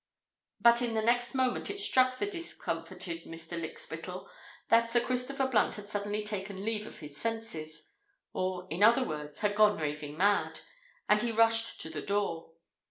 But in the next moment it struck the discomfited Mr. Lykspittal that Sir Christopher Blunt had suddenly taken leave of his senses—or, in other words, had gone raving mad; and he rushed to the door.